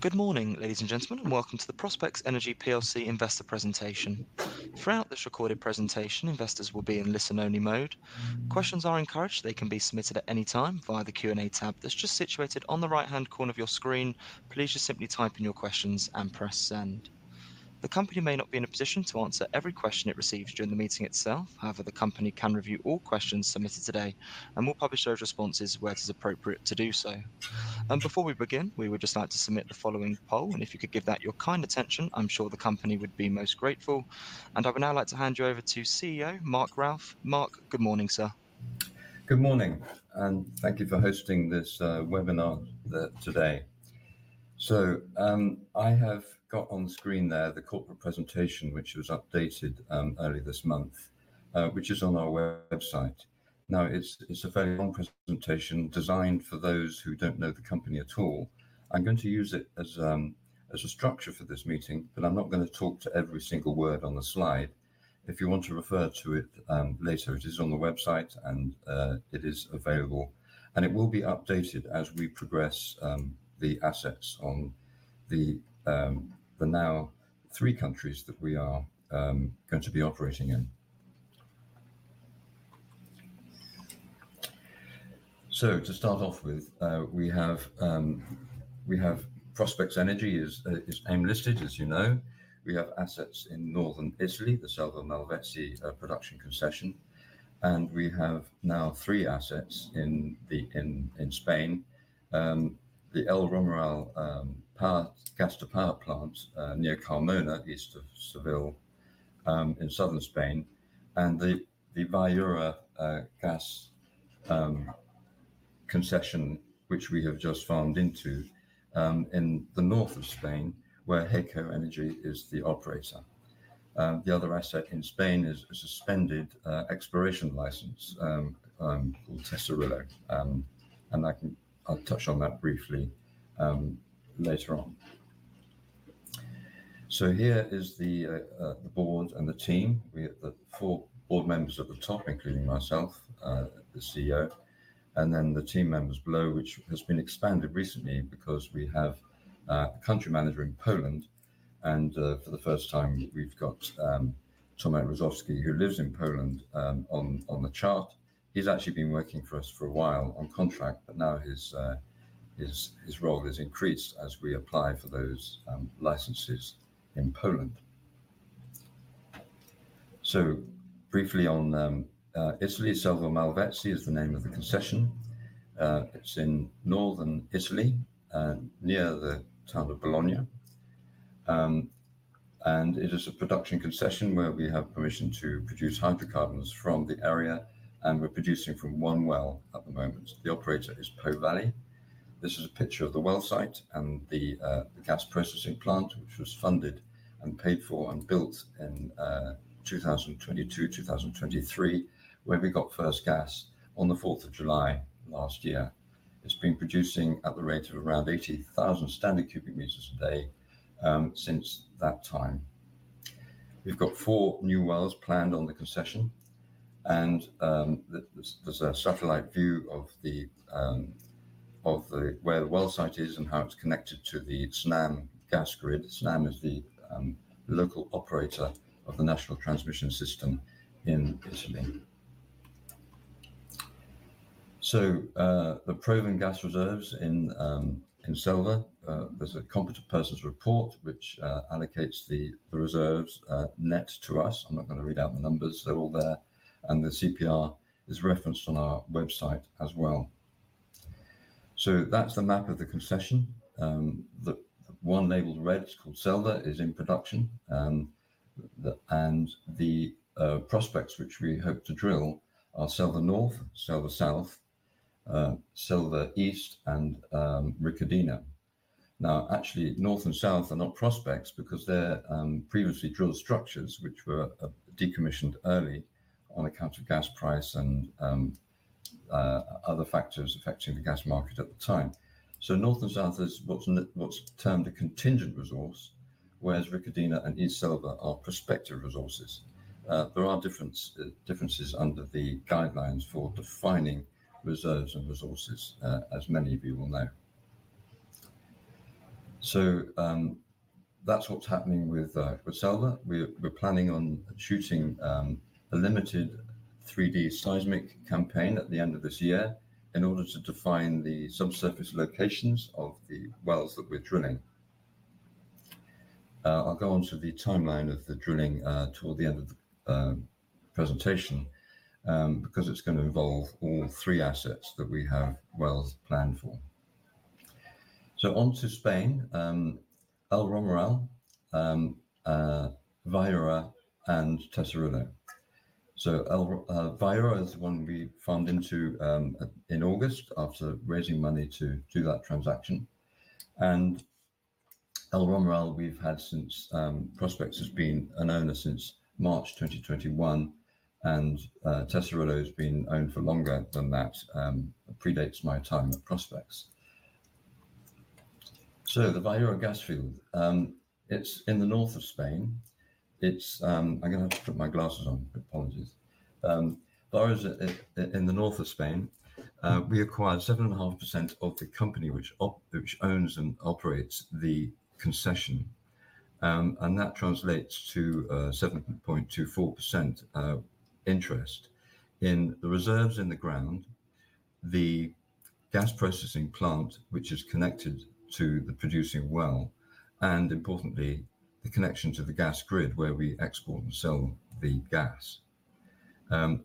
Good morning, ladies and gentlemen, and welcome to the Prospex Energy PLC investor presentation. Throughout this recorded presentation, investors will be in listen-only mode. Questions are encouraged. They can be submitted at any time via the Q&A tab that's just situated on the right-hand corner of your screen. Please just simply type in your questions and press Send. The company may not be in a position to answer every question it receives during the meeting itself. However, the company can review all questions submitted today and will publish those responses where it is appropriate to do so. And before we begin, we would just like to submit the following poll, and if you could give that your kind attention, I'm sure the company would be most grateful. And I would now like to hand you over to CEO, Mark Routh. Mark, good morning, sir. Good morning, and thank you for hosting this webinar today. So, I have got on screen there the corporate presentation, which was updated earlier this month, which is on our website. Now, it's a very long presentation designed for those who don't know the company at all. I'm going to use it as a structure for this meeting, but I'm not gonna talk to every single word on the slide. If you want to refer to it later, it is on the website and it is available, and it will be updated as we progress the assets on the now three countries that we are going to be operating in. So to start off with, we have Prospex Energy is AIM-listed, as you know. We have assets in northern Italy, the Selva Malvezzi production concession, and we have now three assets in Spain. The El Romeral gas-to-power plant near Carmona, east of Seville, in southern Spain, and the Viura gas concession, which we have just farmed into, in the north of Spain, where Heyco Energy is the operator. The other asset in Spain is a suspended exploration license called Tesorillo, and I'll touch on that briefly later on. Here is the board and the team. We have the four board members at the top, including myself, the CEO, and then the team members below, which has been expanded recently because we have a country manager in Poland, and for the first time, we've got Tomasz Rozwadowski, who lives in Poland, on the chart. He's actually been working for us for a while on contract, but now his role has increased as we apply for those licenses in Poland. Briefly on Italy. Selva Malvezzi is the name of the concession. It's in northern Italy, near the town of Bologna. It is a production concession where we have permission to produce hydrocarbons from the area, and we're producing from one well at the moment. The operator is Po Valley. This is a picture of the well site and the gas processing plant, which was funded and paid for and built in 2022, 2023, where we got first gas on the fourth of July last year. It's been producing at the rate of around 80,000 standard m3 a day since that time. We've got four new wells planned on the concession, and there's a satellite view of the where the well site is and how it's connected to the Snam gas grid. Snam is the local operator of the national transmission system in Italy. So the proven gas reserves in Selva, there's a competent person's report which allocates the reserves net to us. I'm not gonna read out the numbers. They're all there, and the CPR is referenced on our website as well. So that's the map of the concession. The one labeled red, it's called Selva, is in production. The prospects which we hope to drill are Selva North, Selva South, Selva East, and Riccardina. Now, actually, North and South are not prospects because they're previously drilled structures which were decommissioned early on account of gas price and other factors affecting the gas market at the time. So North and South is what's termed a contingent resource, whereas Riccardina and East Selva are prospective resources. There are differences under the guidelines for defining reserves and resources, as many of you will know. So that's what's happening with Selva. We're planning on shooting a limited 3D seismic campaign at the end of this year in order to define the subsurface locations of the wells that we're drilling. I'll go on to the timeline of the drilling toward the end of the presentation because it's gonna involve all three assets that we have wells planned for. So on to Spain, El Romeral, Viura, and Tesorillo. So Viura is the one we farmed into in August after raising money to do that transaction. And El Romeral, we've had since Prospex has been an owner since March 2021, and Tesorillo's been owned for longer than that, predates my time at Prospex. So the Viura gas field, it's in the north of Spain. It's... I'm gonna have to put my glasses on. Apologies. Viura is in the north of Spain. We acquired 7.5% of the company, which owns and operates the concession. And that translates to 7.24% interest in the reserves in the ground, the gas processing plant, which is connected to the producing well, and importantly, the connection to the gas grid where we export and sell the gas.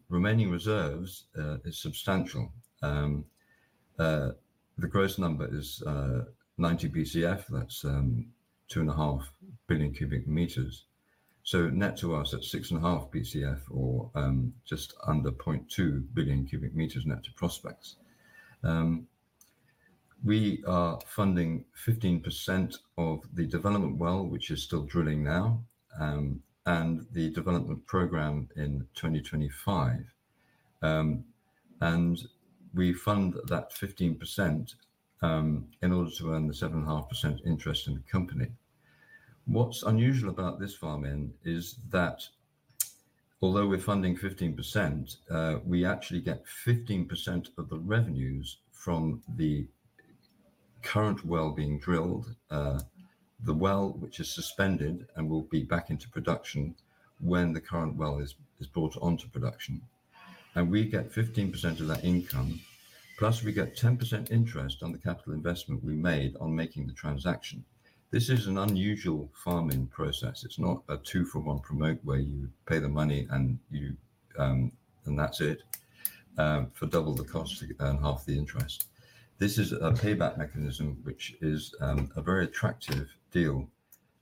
Remaining reserves is substantial. The gross number is 90 Bcf. That's 2.5 billion m3. So net to us, that's 6.5 Bcf or just under 0.2 billion m3 net to Prospex. We are funding 15% of the development well, which is still drilling now, and the development program in 2025. And we fund that 15% in order to earn the 7.5% interest in the company. What's unusual about this farm-in is that although we're funding 15%, we actually get 15% of the revenues from the current well being drilled. The well, which is suspended and will be back into production when the current well is brought onto production, and we get 15% of that income, plus we get 10% interest on the capital investment we made on making the transaction. This is an unusual farm-in process. It's not a two-for-one promote where you pay the money and that's it for double the cost and half the interest. This is a payback mechanism, which is a very attractive deal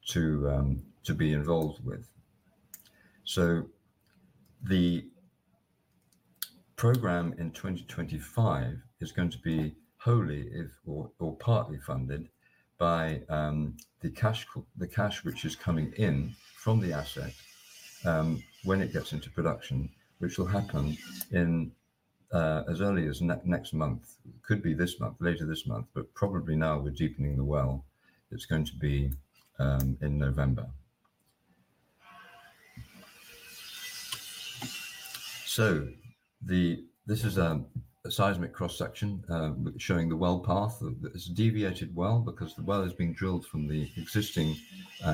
to be involved with. The program in 2025 is going to be wholly or partly funded by the cash which is coming in from the asset when it gets into production, which will happen in as early as next month. Could be this month, later this month, but probably now we're deepening the well, it's going to be in November. This is a seismic cross-section showing the well path. It's a deviated well because the well is being drilled from the existing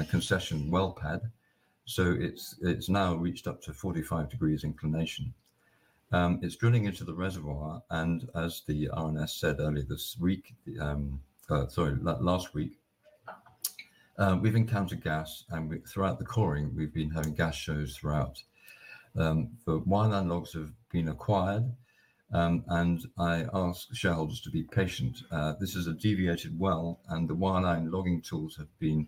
concession well pad, so it's now reached up to 45 degrees inclination. It's drilling into the reservoir, and as the RNS said earlier this week, sorry, last week, we've encountered gas, and throughout the coring, we've been having gas shows throughout. The wireline logs have been acquired, and I ask shareholders to be patient. This is a deviated well, and the wireline logging tools have been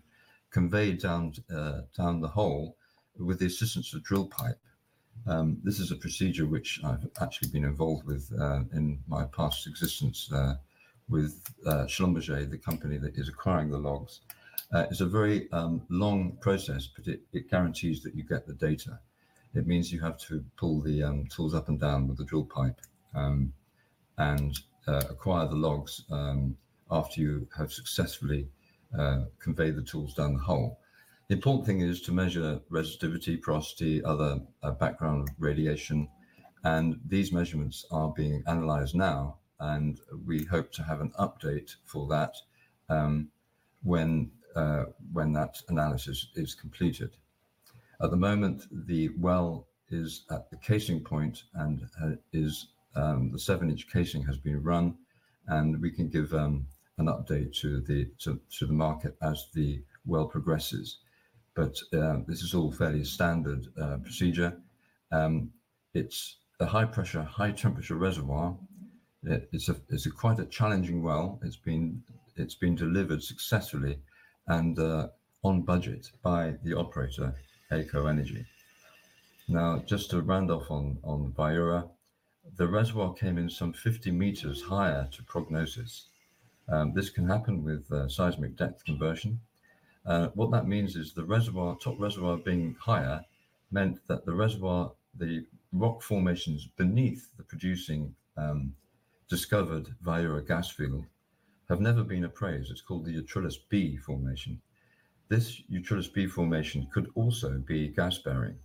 conveyed down the hole with the assistance of drill pipe. This is a procedure which I've actually been involved with in my past existence with Schlumberger, the company that is acquiring the logs. It's a very long process, but it guarantees that you get the data. It means you have to pull the tools up and down with the drill pipe and acquire the logs after you have successfully conveyed the tools down the hole. The important thing is to measure resistivity, porosity, other, background radiation, and these measurements are being analyzed now, and we hope to have an update for that, when that analysis is completed. At the moment, the well is at the casing point, and the seven-inch casing has been run, and we can give an update to the market as the well progresses. But this is all fairly standard procedure. It's a high-pressure, high-temperature reservoir. It's quite a challenging well. It's been delivered successfully and on budget by the operator, Heyco Energy. Now, just to round off on Viura, the reservoir came in some 50 m higher to prognosis. This can happen with seismic depth conversion. What that means is the reservoir, top reservoir being higher, meant that the reservoir the rock formations beneath the producing discovered Viura gas field have never been appraised. It's called the Utrillas B formation. This Utrillas B formation could also be gas-bearing.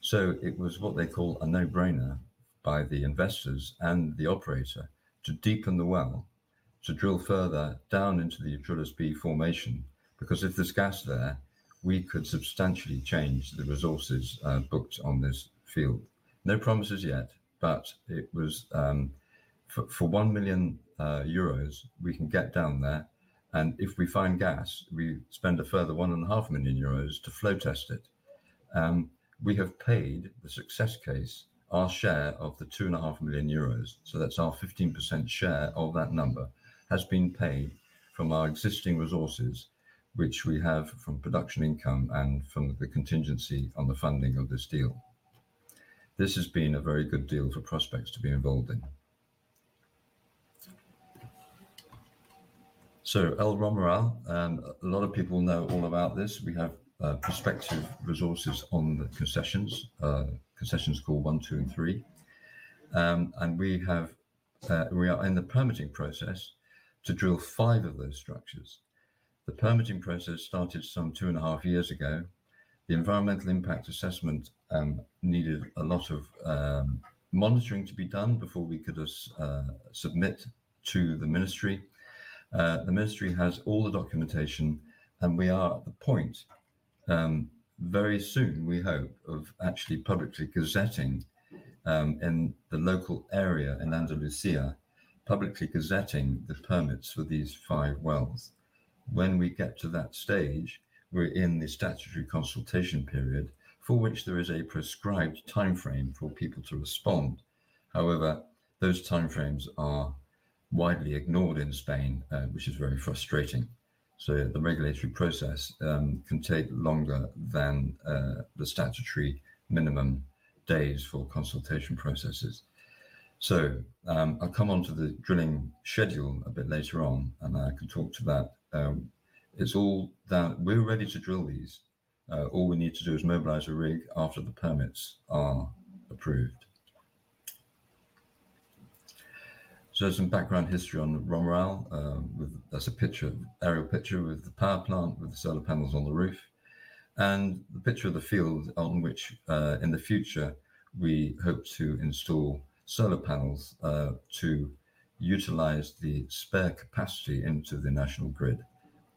So it was what they call a no-brainer by the investors and the operator to deepen the well, to drill further down into the Utrillas B formation, because if there's gas there, we could substantially change the resources booked on this field. No promises yet, but it was for 1 million euros, we can get down there, and if we find gas, we spend a further 1.5 million euros to flow test it. We have paid the success case, our share of the 2.5 million euros. That's our 15% share of that number has been paid from our existing resources, which we have from production income and from the contingency on the funding of this deal. This has been a very good deal for Prospex to be involved in. El Romeral, a lot of people know all about this. We have prospective resources on the concessions called one, two, and three, and we are in the permitting process to drill five of those structures. The permitting process started some two and a half years ago. The environmental impact assessment needed a lot of monitoring to be done before we could submit to the ministry. The ministry has all the documentation, and we are at the point, very soon, we hope, of actually publicly gazetting in the local area, in Andalusia, the permits for these five wells. When we get to that stage, we're in the statutory consultation period, for which there is a prescribed timeframe for people to respond. However, those timeframes are widely ignored in Spain, which is very frustrating, so the regulatory process can take longer than the statutory minimum days for consultation processes, so I'll come on to the drilling schedule a bit later on, and I can talk to that. It's all down... We're ready to drill these. All we need to do is mobilize a rig after the permits are approved, so some background history on El Romeral. That's a picture, aerial picture with the power plant, with the solar panels on the roof, and the picture of the field on which, in the future, we hope to install solar panels, to utilize the spare capacity into the national grid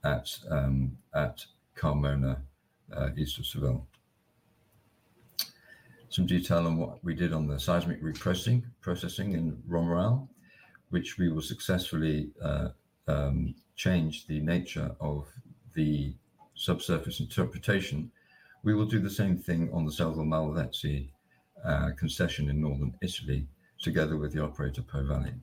at Carmona, east of Seville. Some detail on what we did on the seismic reprocessing in Romeral, which we will successfully change the nature of the subsurface interpretation. We will do the same thing on the Selva Malvezzi concession in northern Italy, together with the operator Po Valley.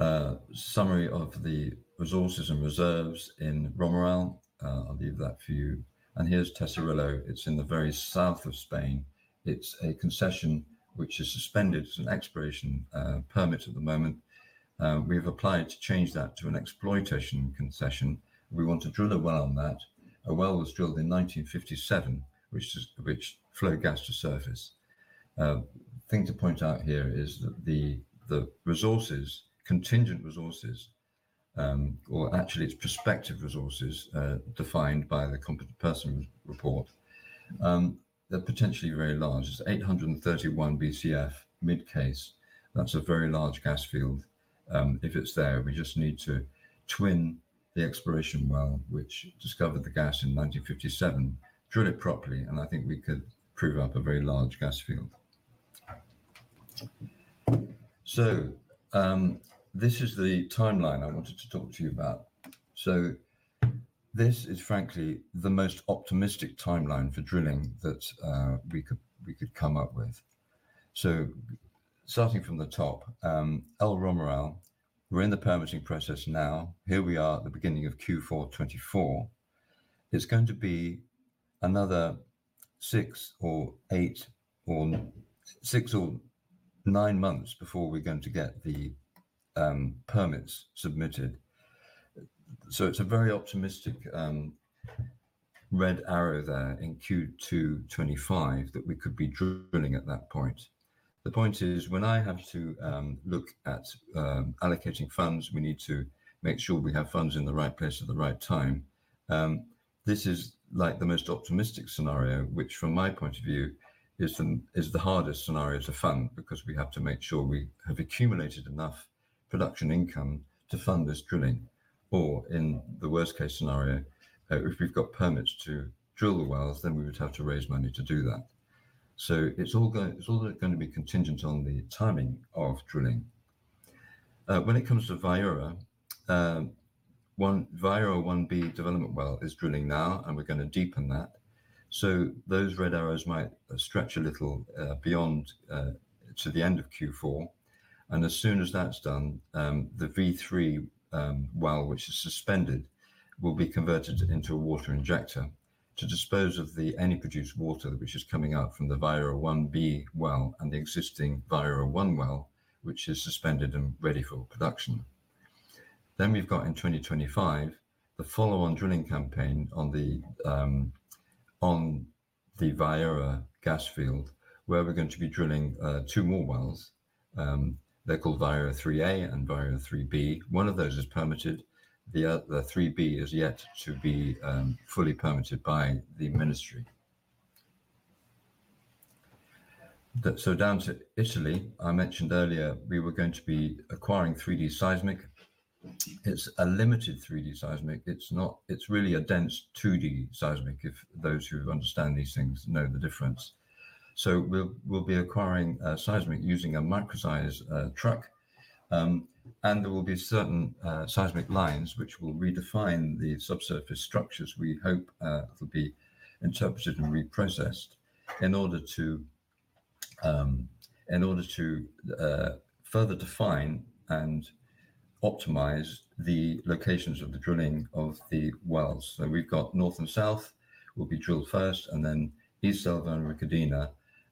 A summary of the resources and reserves in Romeral. I'll leave that for you. Here's Tesorillo. It's in the very south of Spain. It's a concession which is suspended. It's an exploration permit at the moment. We've applied to change that to an exploitation concession. We want to drill a well on that. A well was drilled in 1957, which flowed gas to surface. The thing to point out here is that the resources, contingent resources, or actually it's prospective resources, defined by the competent person report, they're potentially very large. It's 831 Bcf, mid-case. That's a very large gas field. If it's there, we just need to twin the exploration well, which discovered the gas in 1957, drill it properly, and I think we could prove up a very large gas field. So this is the timeline I wanted to talk to you about. So this is frankly the most optimistic timeline for drilling that we could come up with. Starting from the top, El Romeral, we're in the permitting process now. Here we are at the beginning of Q4 2024. It's going to be another six or nine months before we're going to get the permits submitted. So it's a very optimistic red arrow there in Q2 2025, that we could be drilling at that point. The point is, when I have to look at allocating funds, we need to make sure we have funds in the right place at the right time. This is like the most optimistic scenario, which from my point of view, is the hardest scenario to fund, because we have to make sure we have accumulated enough production income to fund this drilling. Or in the worst-case scenario, if we've got permits to drill the wells, then we would have to raise money to do that. It's all going to be contingent on the timing of drilling. When it comes to Viura, Viura-1B development well is drilling now, and we're gonna deepen that. Those red arrows might stretch a little beyond to the end of Q4. As soon as that's done, the Viura-3 well, which is suspended, will be converted into a water injector to dispose of the any produced water which is coming out from the Viura-1B well and the existing Viura-1 well, which is suspended and ready for production. We've got in 2025 the follow-on drilling campaign on the Viura gas field, where we're going to be drilling two more wells. They're called Viura-3A and Viura-3B. One of those is permitted, the other, 3B, is yet to be fully permitted by the ministry. Down to Italy, I mentioned earlier, we were going to be acquiring 3D seismic. It's a limited 3D seismic. It's not. It's really a dense 2D seismic, if those who understand these things know the difference. So we'll be acquiring seismic using a microseismic truck. And there will be certain seismic lines which will redefine the subsurface structures we hope will be interpreted and reprocessed in order to further define and optimize the locations of the drilling of the wells. So we've got North Selva and South Selva, will be drilled first, and then East Selva and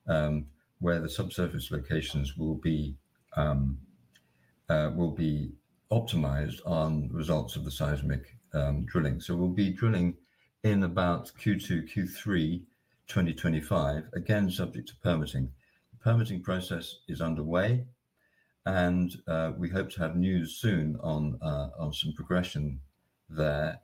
Riccardina, where the subsurface locations will be optimized on results of the seismic drilling. So we'll be drilling in about Q2, Q3, 2025, again, subject to permitting. The permitting process is underway, and we hope to have news soon on some progression there.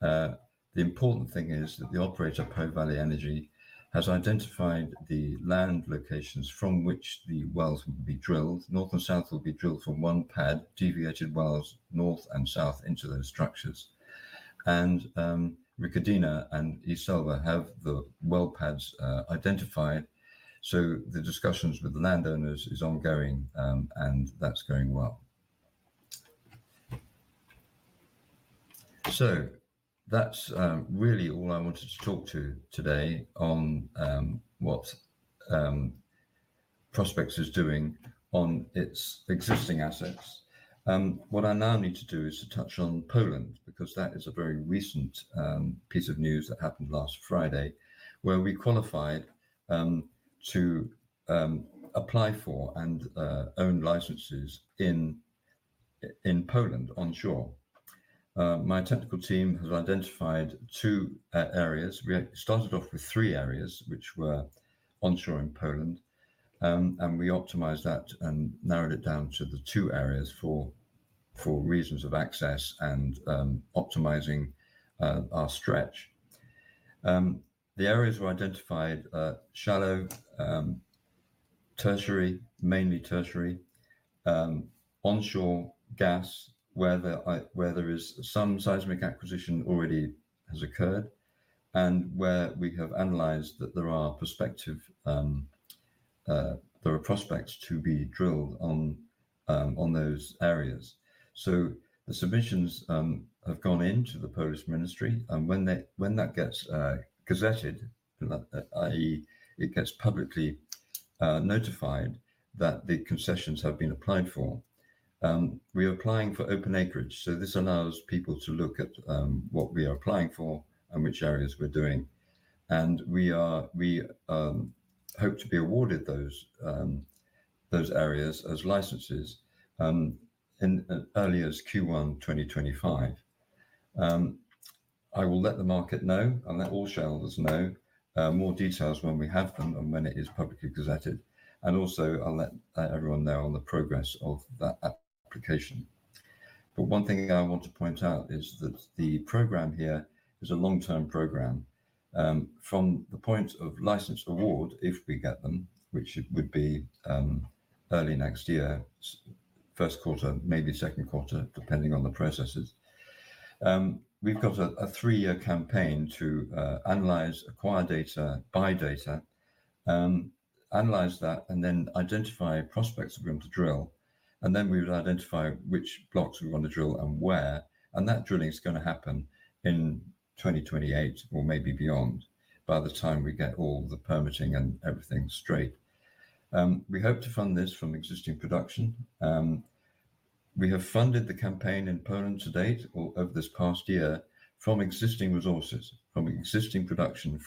The important thing is that the operator, Po Valley Energy, has identified the land locations from which the wells will be drilled. North and south will be drilled from one pad, deviated wells, north and south into those structures. And Riccardina and East Selva have the well pads identified, so the discussions with the landowners is ongoing, and that's going well. So that's really all I wanted to talk to you today on what Prospex is doing on its existing assets. What I now need to do is to touch on Poland, because that is a very recent piece of news that happened last Friday, where we qualified to apply for and own licenses in Poland, onshore. My technical team has identified two areas. We started off with three areas which were onshore in Poland, and we optimized that and narrowed it down to the two areas for reasons of access and optimizing our stretch. The areas were identified shallow, mainly tertiary, onshore gas, where there is some seismic acquisition already has occurred and where we have analyzed that there are prospective prospects to be drilled on those areas. So the submissions have gone into the Polish Ministry, and when that gets gazetted, i.e., it gets publicly notified that the concessions have been applied for. We are applying for open acreage, so this allows people to look at what we are applying for and which areas we're doing. We hope to be awarded those areas as licenses in as early as Q1 2025. I will let the market know and let all shareholders know more details when we have them and when it is publicly gazetted, and also I'll let everyone know on the progress of that application. One thing I want to point out is that the program here is a long-term program. From the point of license award, if we get them, which it would be early next year, first quarter, maybe second quarter, depending on the processes. We've got a three-year campaign to analyze, acquire data, buy data, analyze that, and then identify prospects we're going to drill, and then we would identify which blocks we want to drill and where. That drilling is going to happen in 2028 or maybe beyond, by the time we get all the permitting and everything straight. We hope to fund this from existing production. We have funded the campaign in Poland to date, or over this past year, from existing resources, from existing production,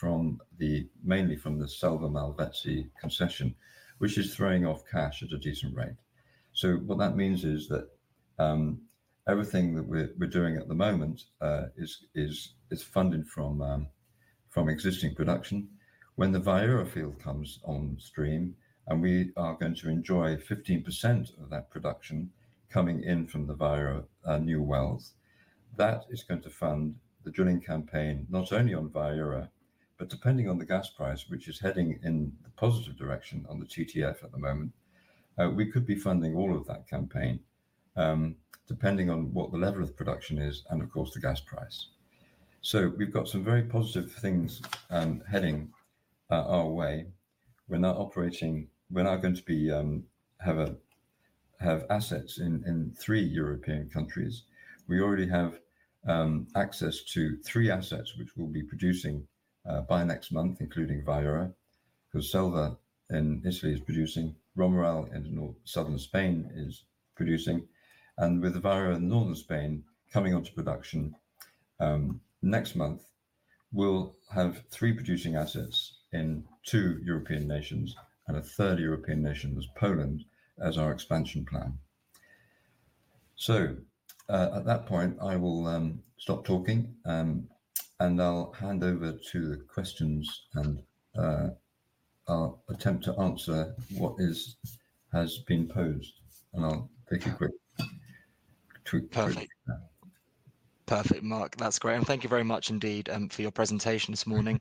mainly from the Selva Malvezzi concession, which is throwing off cash at a decent rate. What that means is that everything that we're doing at the moment is funded from existing production. When the Viura field comes on stream, and we are going to enjoy 15% of that production coming in from the Viura new wells, that is going to fund the drilling campaign, not only on Viura, but depending on the gas price, which is heading in the positive direction on the TTF at the moment, we could be funding all of that campaign, depending on what the level of production is, and of course, the gas price. So we've got some very positive things heading our way. We're now going to be have assets in three European countries. We already have access to three assets, which we'll be producing by next month, including Viura, because Selva in Italy is producing, El Romeral in Southern Spain is producing, and with Viura in Northern Spain coming onto production next month, we'll have three producing assets in two European nations, and a third European nation as Poland, as our expansion plan. So, at that point, I will stop talking, and I'll hand over to the questions and, I'll attempt to answer what is, has been posed, and I'll take a break. Perfect. Perfect, Mark. That's great, and thank you very much indeed for your presentation this morning.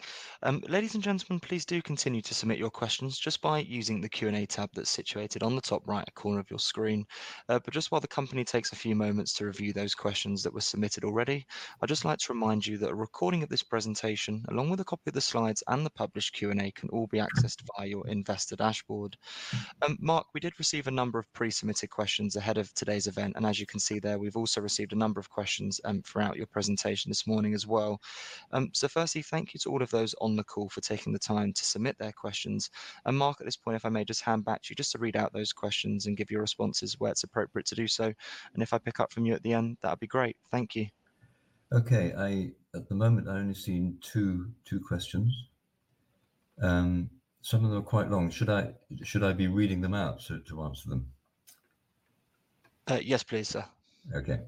Ladies and gentlemen, please do continue to submit your questions just by using the Q&A tab that's situated on the top right corner of your screen. But just while the company takes a few moments to review those questions that were submitted already, I'd just like to remind you that a recording of this presentation, along with a copy of the slides and the published Q&A, can all be accessed via your investor dashboard. Mark, we did receive a number of pre-submitted questions ahead of today's event, and as you can see there, we've also received a number of questions throughout your presentation this morning as well. So firstly, thank you to all of those on the call for taking the time to submit their questions. And Mark, at this point, if I may just hand back to you, just to read out those questions and give your responses where it's appropriate to do so. And if I pick up from you at the end, that'd be great. Thank you. Okay. I, at the moment, I've only seen two questions. Some of them are quite long. Should I be reading them out so to answer them? Yes, please, sir. Okay.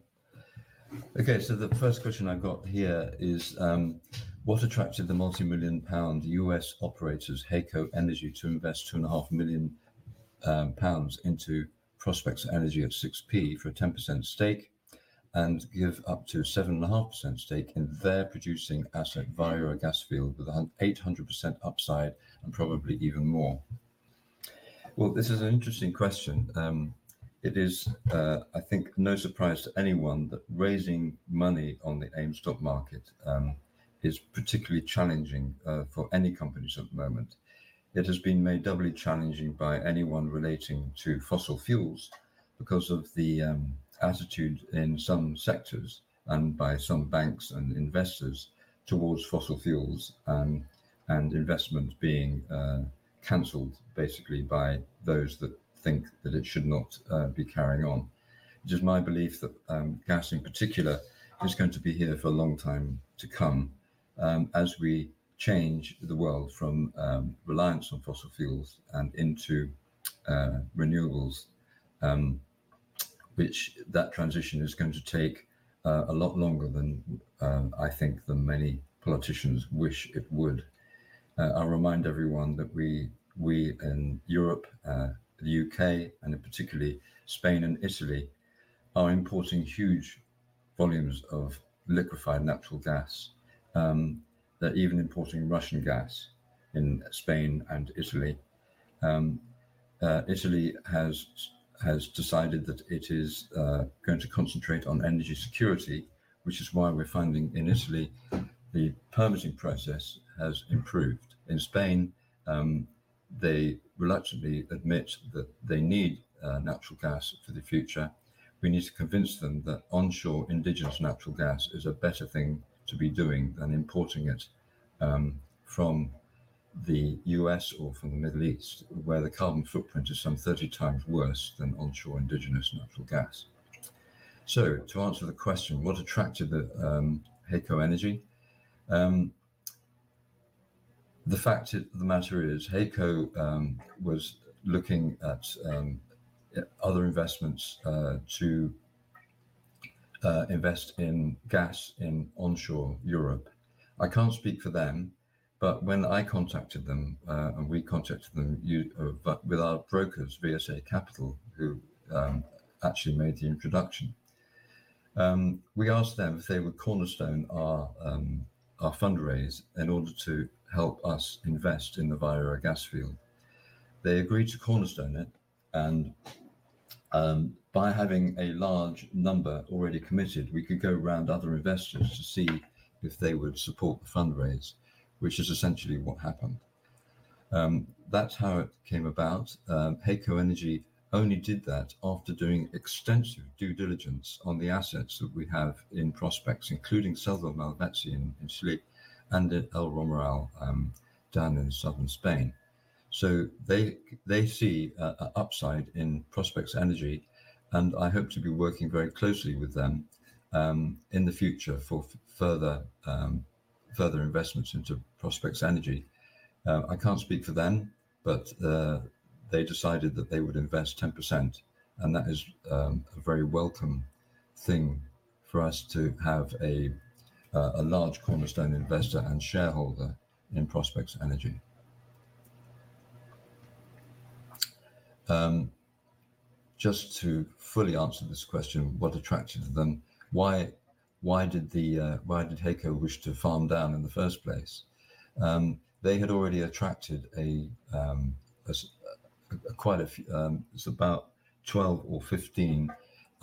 So the first question I've got here is, "What attracted the multi-million-pound U.S. operators, Heyco Energy Group, to invest 2.5 million pounds into Prospex Energy at 6p for a 10% stake, and give up to a 7.5% stake in their producing asset Viura gas field with an 800% upside and probably even more?" Well, this is an interesting question. It is, I think, no surprise to anyone that raising money on the AIM stock market is particularly challenging for any companies at the moment. It has been made doubly challenging by anyone relating to fossil fuels because of the attitude in some sectors and by some banks and investors towards fossil fuels, and investments being canceled basically by those that think that it should not be carrying on. It is my belief that gas, in particular, is going to be here for a long time to come, as we change the world from reliance on fossil fuels and into renewables. Which that transition is going to take a lot longer than I think than many politicians wish it would. I'll remind everyone that we in Europe, the U.K., and particularly Spain and Italy, are importing huge volumes of liquefied natural gas. They're even importing Russian gas in Spain and Italy. Italy has decided that it is going to concentrate on energy security, which is why we're finding in Italy, the permitting process has improved. In Spain, they reluctantly admit that they need natural gas for the future. We need to convince them that onshore indigenous natural gas is a better thing to be doing than importing it from the U.S. or from the Middle East, where the carbon footprint is some 30 times worse than onshore indigenous natural gas. So to answer the question, what attracted the Heyco Energy? The fact of the matter is, Heyco was looking at other investments to invest in gas in onshore Europe. I can't speak for them, but when I contacted them and we contacted them with our brokers, VSA Capital, who actually made the introduction. We asked them if they would cornerstone our fundraise in order to help us invest in the Viura gas field. They agreed to cornerstone it, and by having a large number already committed, we could go around other investors to see if they would support the fundraise, which is essentially what happened. That's how it came about. Heyco Energy only did that after doing extensive due diligence on the assets that we have in Prospex, including Selva Malvezzi in Italy and El Romeral down in southern Spain. So they see an upside in Prospex Energy, and I hope to be working very closely with them in the future for further investments into Prospex Energy. I can't speak for them, but they decided that they would invest 10%, and that is a very welcome thing for us to have a large cornerstone investor and shareholder in Prospex Energy. Just to fully answer this question, what attracted them? Why did Heyco wish to farm down in the first place? They had already attracted quite a few. It's about 12 or 15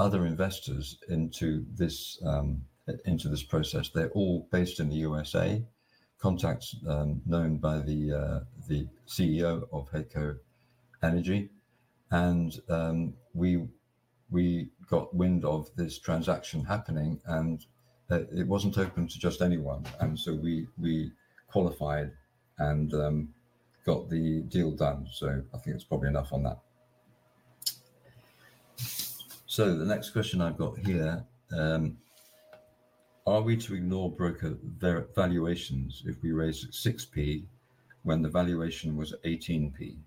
other investors into this process. They're all based in the U.S.A. Contacts known by the CEO of Heyco Energy, and we got wind of this transaction happening, and it wasn't open to just anyone, and so we qualified and got the deal done. So I think it's probably enough on that. So the next question I've got here: "Are we to ignore broker their valuations if we raise at 6p when the valuation was at 18p?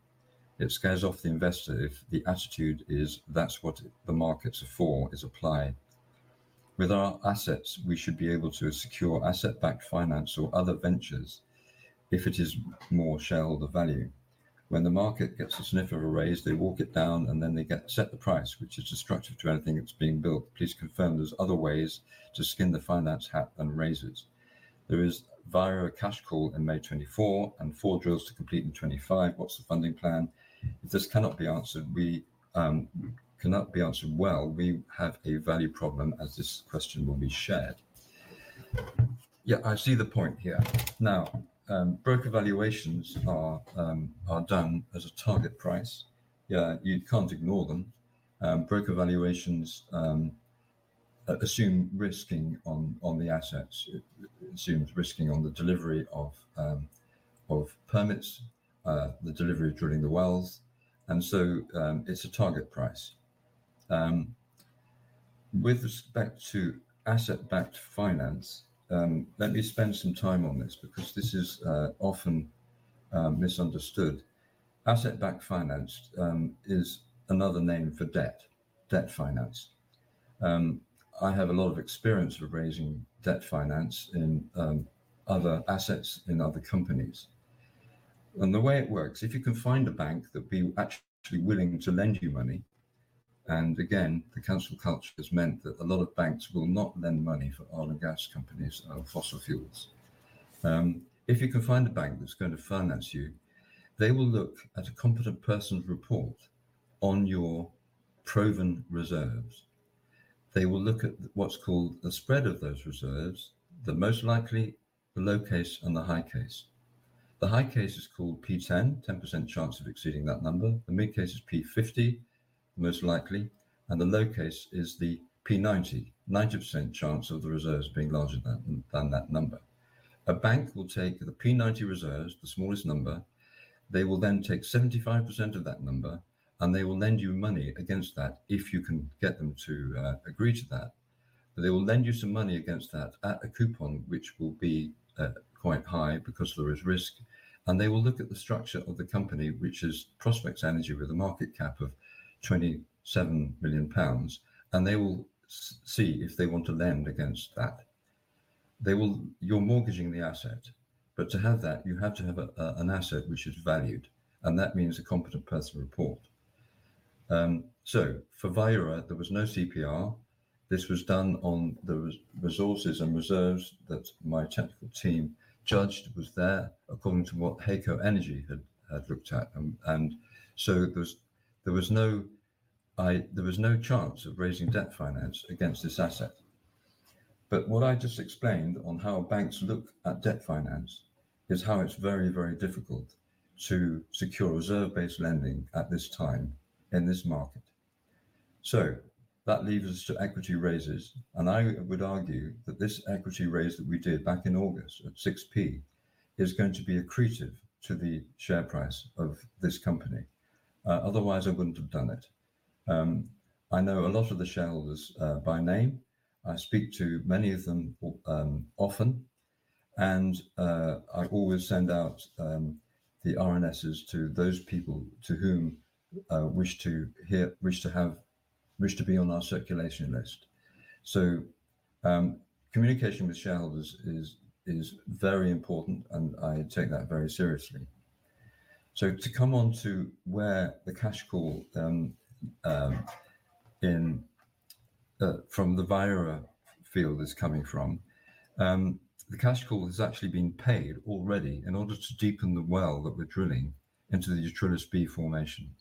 It scares off the investor if the attitude is that's what the markets are for, is applied. With our assets, we should be able to secure asset-backed finance or other ventures if it is more shareholder value. When the market gets a sniff of a raise, they walk it down, and then they get to set the price, which is destructive to anything that's being built. Please confirm there's other ways to skin the cat than raises. There is Viura cash call in May 2024 and four drills to complete in 2025. What's the funding plan? If this cannot be answered, we cannot be answered well, we have a value problem, as this question will be shared." Yeah, I see the point here. Now, broker valuations are done as a target price. Yeah, you can't ignore them. Broker valuations assume risking on the assets. It assumes risking on the delivery of permits, the delivery of drilling the wells, and so it's a target price. With respect to asset-backed finance, let me spend some time on this because this is often misunderstood. Asset-backed finance is another name for debt finance. I have a lot of experience with raising debt finance in other assets in other companies. The way it works, if you can find a bank that would be actually willing to lend you money, and again, the cancel culture has meant that a lot of banks will not lend money for oil and gas companies or fossil fuels. If you can find a bank that's going to finance you, they will look at a competent person's report on your proven reserves. They will look at what's called the spread of those reserves, the most likely, the low case and the high case. The high case is called P10, 10% chance of exceeding that number. The mid case is P50, most likely, and the low case is the P90, 90% chance of the reserves being larger than that number. A bank will take the P90 reserves, the smallest number. They will then take 75% of that number, and they will lend you money against that if you can get them to agree to that. but they will lend you some money against that at a coupon, which will be quite high because there is risk. And they will look at the structure of the company, which is Prospex Energy, with a market cap of 27 million pounds, and they will see if they want to lend against that. You're mortgaging the asset, but to have that, you have to have an asset which is valued, and that means a competent person's report. so for Viura, there was no CPR. This was done on the resources and reserves that my technical team judged was there according to what Heyco Energy had looked at. There was no chance of raising debt finance against this asset. But what I just explained on how banks look at debt finance is how it's very, very difficult to secure reserve-based lending at this time in this market. So that leaves us to equity raises, and I would argue that this equity raise that we did back in August at 6p is going to be accretive to the share price of this company. Otherwise, I wouldn't have done it. I know a lot of the shareholders by name. I speak to many of them, often, and I always send out the RNSs to those people to whom wish to be on our circulation list. So communication with shareholders is very important, and I take that very seriously. So to come on to where the cash call in from the Viura field is coming from, the cash call has actually been paid already in order to deepen the well that we're drilling into the Utrillas B formation.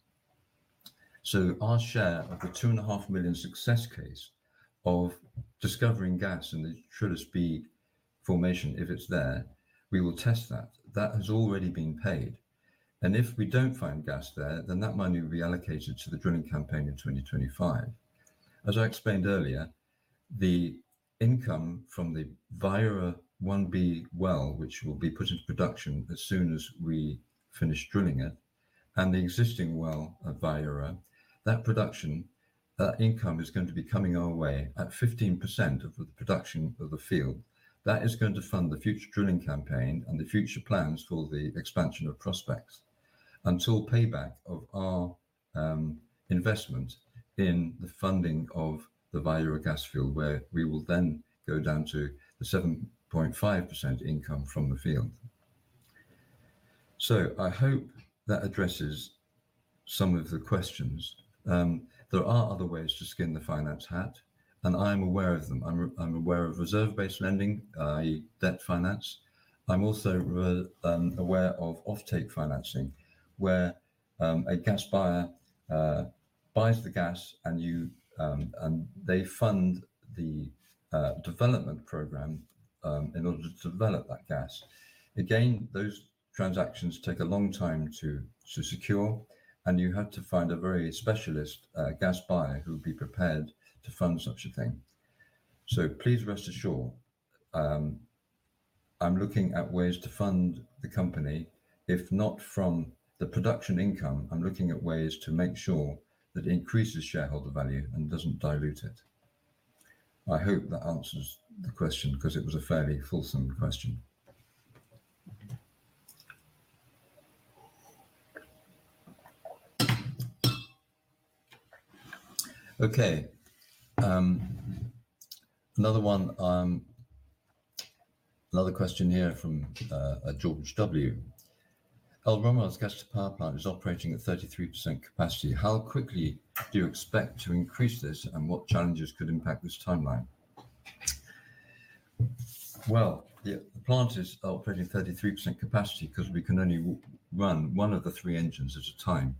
So our share of the 2.5 million success case of discovering gas in the Utrillas B formation, if it's there, we will test that. That has already been paid, and if we don't find gas there, then that money will be allocated to the drilling campaign in 2025. As I explained earlier, the income from the Viura-1B well, which will be put into production as soon as we finish drilling it, and the existing well at Viura, that production, income is going to be coming our way at 15% of the production of the field. That is going to fund the future drilling campaign and the future plans for the expansion of Prospex until payback of our, investment in the funding of the Viura gas field, where we will then go down to the 7.5% income from the field. So I hope that addresses some of the questions. There are other ways to skin the finance hat, and I'm aware of them. I'm aware of reserve-based lending, i.e., debt finance. I'm also aware of offtake financing, where a gas buyer buys the gas, and you and they fund the development program in order to develop that gas. Again, those transactions take a long time to secure, and you have to find a very specialist gas buyer who'll be prepared to fund such a thing. So please rest assured, I'm looking at ways to fund the company, if not from the production income, I'm looking at ways to make sure that it increases shareholder value and doesn't dilute it. I hope that answers the question 'cause it was a fairly fulsome question. Okay, another one, another question here from George W: "El Romeral's gas to power plant is operating at 33% capacity. How quickly do you expect to increase this, and what challenges could impact this timeline?" Well, the plant is operating at 33% capacity 'cause we can only run one of the three engines at a time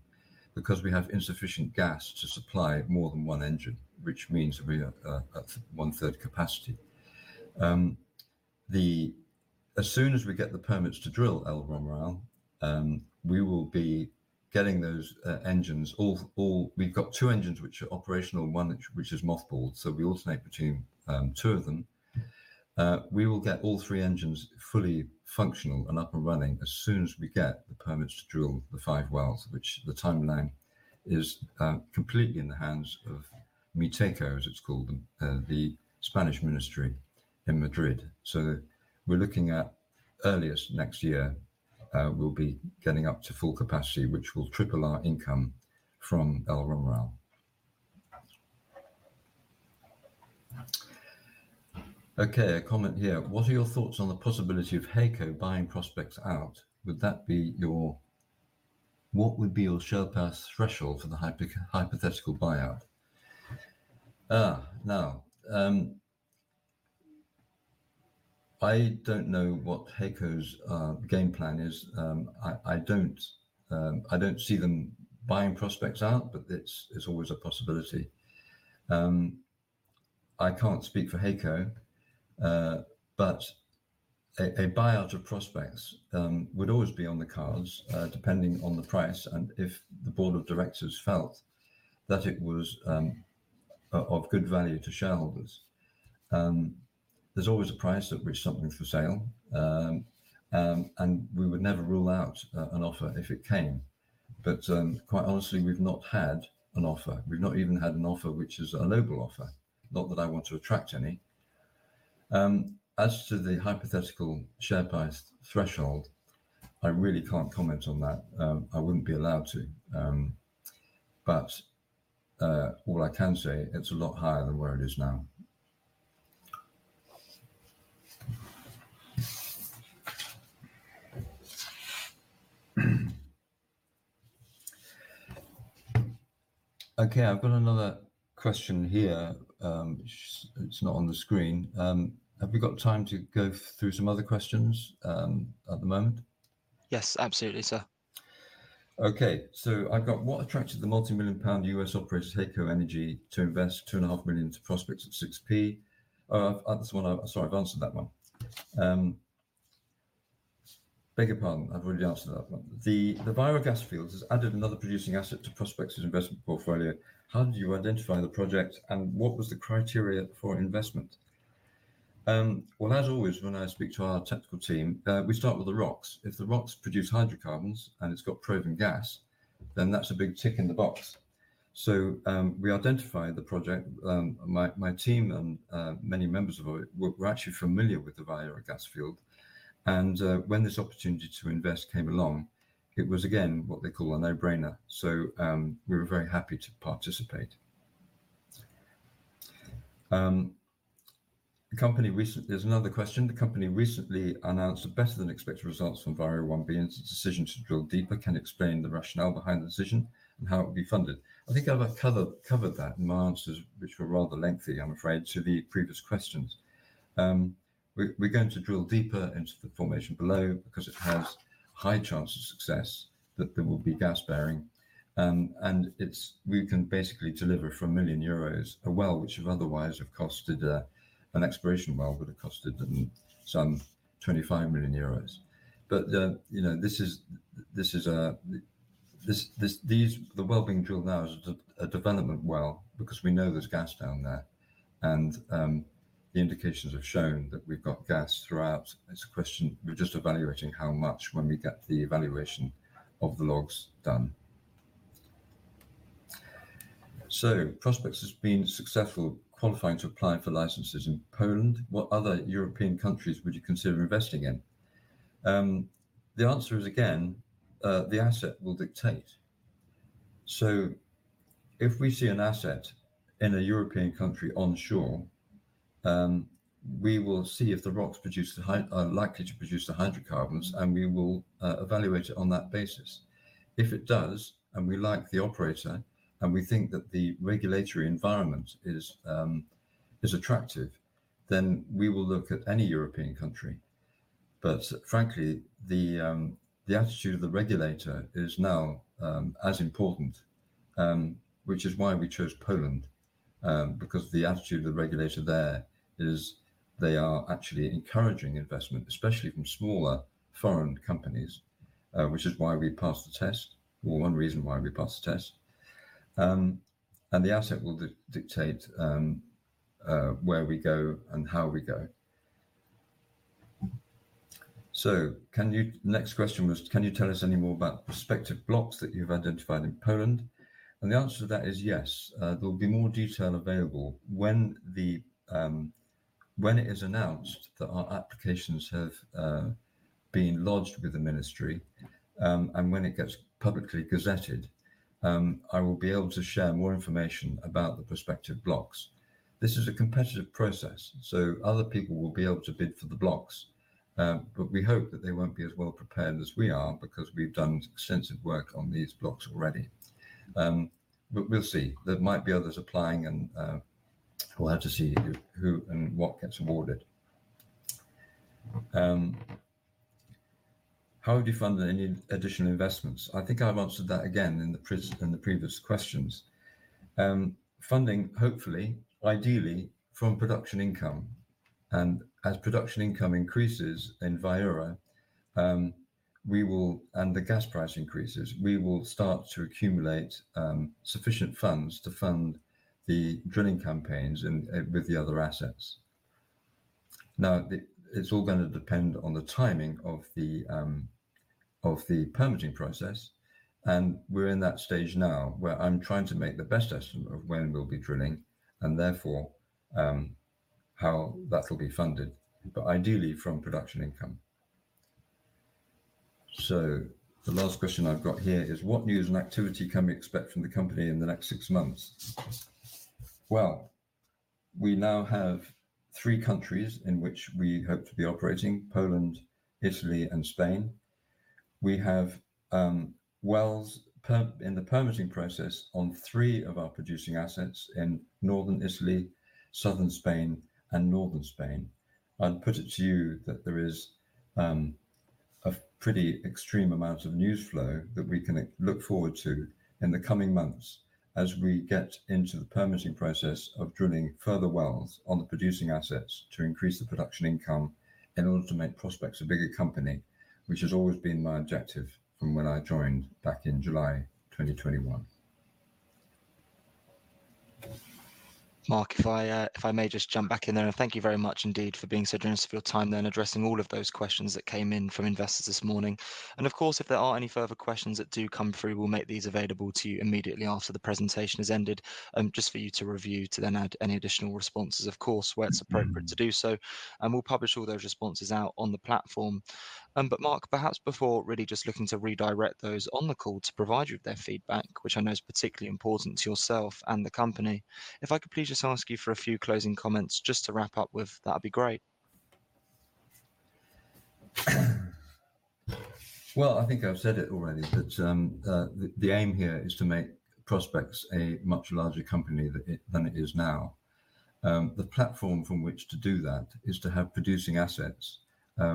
because we have insufficient gas to supply more than one engine, which means we are at 1/3 capacity. As soon as we get the permits to drill El Romeral, we will be getting those engines all. We've got two engines which are operational and one which is mothballed, so we alternate between two of them. We will get all three engines fully functional and up and running as soon as we get the permits to drill the five wells, which the timeline is completely in the hands of MITECO, as it's called, the Spanish ministry in Madrid. So we're looking at earliest next year, we'll be getting up to full capacity, which will triple our income from El Romeral. Okay, a comment here: What are your thoughts on the possibility of Heyco buying Prospex out? Would that be your-- What would be your share price threshold for the hypothetical buyout? Now, I don't know what Heyco's game plan is. I don't see them buying Prospex out, but it's always a possibility. I can't speak for Heyco, but a buyout of Prospex would always be on the cards, depending on the price and if the board of directors felt that it was of good value to shareholders. There's always a price at which something's for sale. And we would never rule out an offer if it came. But quite honestly, we've not had an offer. We've not even had an offer, which is a noble offer, not that I want to attract any. As to the hypothetical share price threshold, I really can't comment on that. I wouldn't be allowed to. But what I can say, it's a lot higher than where it is now. Okay, I've got another question here, it's not on the screen. Have we got time to go through some other questions at the moment? Yes, absolutely, sir. Okay. So I've got: What attracted the multi-million-pound U.S. operator, Heyco Energy Group, to invest 2.5 million into Prospex at 6p? At this one, I'm sorry, I've answered that one. Beg your pardon, I've already answered that one. The Viura gas field has added another producing asset to Prospex' investment portfolio. How did you identify the project, and what was the criteria for investment? Well, as always, when I speak to our technical team, we start with the rocks. If the rocks produce hydrocarbons, and it's got proven gas, then that's a big tick in the box. So, we identified the project. My team and many members of it were actually familiar with the Viura gas field, and when this opportunity to invest came along, it was again what they call a no-brainer. So, we were very happy to participate. There's another question. The company recently announced a better-than-expected results from Viura-1 behind its decision to drill deeper. Can you explain the rationale behind the decision and how it will be funded? I think I've covered that in my answers, which were rather lengthy, I'm afraid, to the previous questions. We're going to drill deeper into the formation below because it has high chance of success that there will be gas bearing. We can basically deliver for 1 million euros, a well which would otherwise have costed an exploration well, would have costed them some 25 million euros. But you know, this is the well being drilled now is a development well because we know there's gas down there, and the indications have shown that we've got gas throughout. It's a question. We're just evaluating how much when we get the evaluation of the logs done. So Prospex has been successful qualifying to apply for licenses in Poland. What other European countries would you consider investing in? The answer is, again, the asset will dictate. So if we see an asset in a European country onshore, we will see if the rocks are likely to produce the hydrocarbons, and we will evaluate it on that basis. If it does, and we like the operator, and we think that the regulatory environment is attractive, then we will look at any European country. But frankly, the attitude of the regulator is now as important, which is why we chose Poland. Because the attitude of the regulator there is they are actually encouraging investment, especially from smaller foreign companies, which is why we passed the test, or one reason why we passed the test. And the asset will dictate where we go and how we go. So can you... Next question was: Can you tell us any more about the prospective blocks that you've identified in Poland? And the answer to that is yes. There'll be more detail available when it is announced that our applications have been lodged with the ministry, and when it gets publicly gazetted, I will be able to share more information about the prospective blocks. This is a competitive process, so other people will be able to bid for the blocks, but we hope that they won't be as well prepared as we are because we've done extensive work on these blocks already, but we'll see. There might be others applying, and we'll have to see who and what gets awarded. How would you fund any additional investments? I think I've answered that again in the previous questions. Funding, hopefully, ideally, from production income. As production income increases in Viura, we will, and the gas price increases, we will start to accumulate sufficient funds to fund the drilling campaigns and with the other assets. Now, it's all gonna depend on the timing of the permitting process, and we're in that stage now, where I'm trying to make the best estimate of when we'll be drilling, and therefore, how that'll be funded, but ideally, from production income. The last question I've got here is: What news and activity can we expect from the company in the next six months? We now have three countries in which we hope to be operating: Poland, Italy and Spain. We have wells in the permitting process on three of our producing assets in northern Italy, southern Spain, and northern Spain. I'd put it to you that there is a pretty extreme amount of news flow that we can look forward to in the coming months as we get into the permitting process of drilling further wells on the producing assets to increase the production income in order to make Prospex a bigger company, which has always been my objective from when I joined back in July 2021. Mark, if I, if I may just jump back in there. And thank you very much indeed for being so generous with your time and addressing all of those questions that came in from investors this morning. And of course, if there are any further questions that do come through, we'll make these available to you immediately after the presentation has ended, just for you to review, to then add any additional responses, of course, where it's appropriate to do so. And we'll publish all those responses out on the platform. But Mark, perhaps before really just looking to redirect those on the call to provide you with their feedback, which I know is particularly important to yourself and the company, if I could please just ask you for a few closing comments just to wrap up with, that'd be great. I think I've said it already, but the aim here is to make Prospex a much larger company than it is now. The platform from which to do that is to have producing assets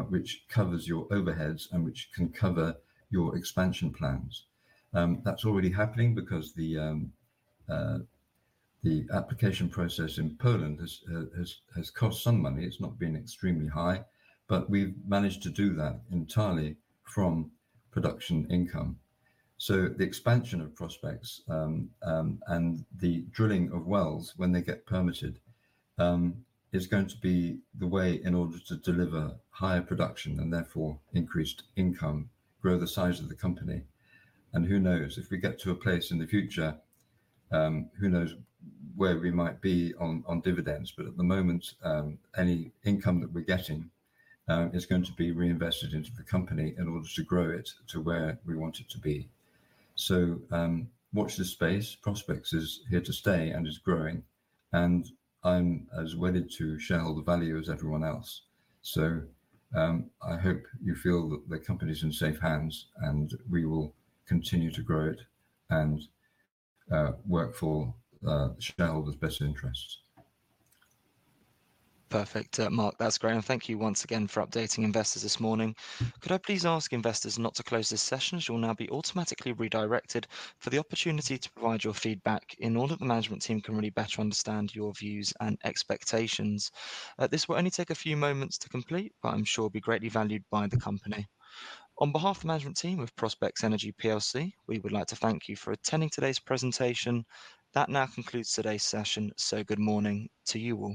which covers your overheads and which can cover your expansion plans. That's already happening because the application process in Poland has cost some money. It's not been extremely high, but we've managed to do that entirely from production income. So the expansion of Prospex and the drilling of wells when they get permitted is going to be the way in order to deliver higher production and therefore increased income, grow the size of the company. And who knows? If we get to a place in the future, who knows where we might be on dividends? But at the moment, any income that we're getting is going to be reinvested into the company in order to grow it to where we want it to be. So, watch this space. Prospex is here to stay, and it's growing, and I'm as wedded to shareholder value as everyone else. So, I hope you feel that the company's in safe hands, and we will continue to grow it and work for the shareholders' best interests. Perfect. Mark, that's great, and thank you once again for updating investors this morning. Could I please ask investors not to close this session, as you'll now be automatically redirected for the opportunity to provide your feedback in order that the management team can really better understand your views and expectations. This will only take a few moments to complete, but I'm sure will be greatly valued by the company. On behalf of the management team of Prospex Energy PLC, we would like to thank you for attending today's presentation. That now concludes today's session, so good morning to you all.